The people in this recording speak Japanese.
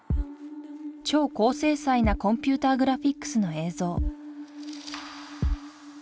超高精細なコンピューターグラフィックスの映像